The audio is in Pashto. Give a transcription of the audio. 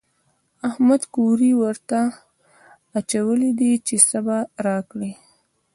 احمد کوری ورته اچولی دی چې څه به راکړي.